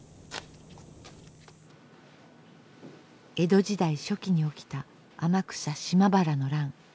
江戸時代初期に起きた天草・島原の乱。